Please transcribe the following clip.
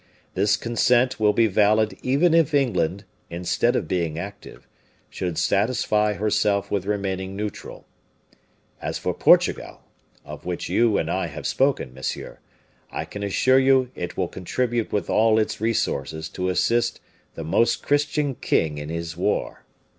This consent will be valid even if England, instead of being active, should satisfy herself with remaining neutral. As for Portugal, of which you and I have spoken, monsieur, I can assure you it will contribute with all its resources to assist the Most Christian King in his war.